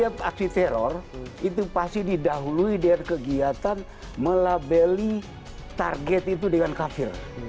polisi melabeli target itu dengan kafir